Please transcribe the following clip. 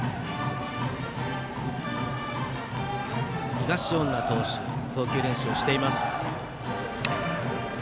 東恩納投手が投球練習をしています。